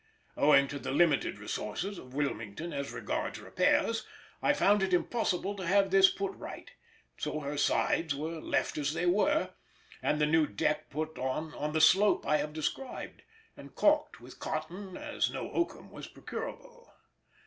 Owing to the limited resources of Wilmington as regards repairs, I found it impossible to have this put right, so her sides were left as they were, and the new deck put on on the slope I have described, and caulked with cotton, as no oakum was procurable.